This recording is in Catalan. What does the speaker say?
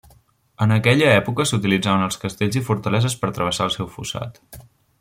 En aquella època s'utilitzaven als castells i fortaleses per travessar el seu fossat.